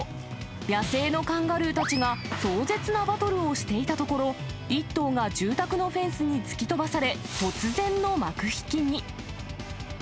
野生のカンガルーたちが壮絶なバトルをしていたところ、１頭が住宅のフェンスに突き飛ばされ、突然の幕引きに。